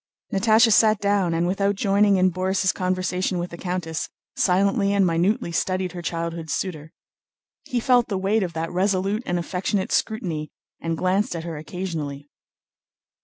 Natásha sat down and, without joining in Borís' conversation with the countess, silently and minutely studied her childhood's suitor. He felt the weight of that resolute and affectionate scrutiny and glanced at her occasionally.